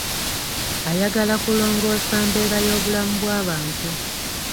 Ayagala kulongoosa mbeera y'obulamu bw'abantu.